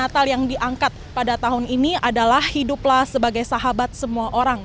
natal yang diangkat pada tahun ini adalah hiduplah sebagai sahabat semua orang